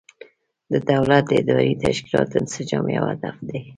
د دولت د اداري تشکیلاتو انسجام یو هدف دی.